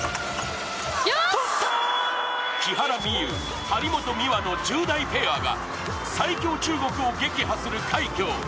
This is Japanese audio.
木原美悠張本美和の１０代ペアが最強中国を撃破する快挙。